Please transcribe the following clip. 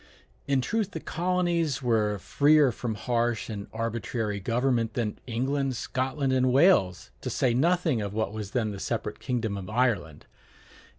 In truth the colonies were freer from harsh and arbitrary government than England, Scotland, and Wales, to say nothing of what was then the separate kingdom of Ireland.